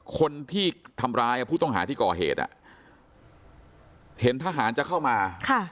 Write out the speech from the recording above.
คนที่ทำร้ายผู้ต้องหาที่ก่อเหตุเห็นทหารจะเข้ามา